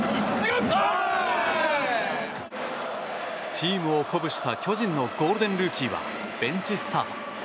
チームを鼓舞した巨人のゴールデンルーキーはベンチスタート。